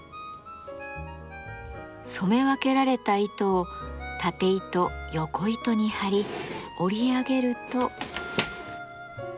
染め分けられた糸をたて糸よこ糸に張り織り上げると。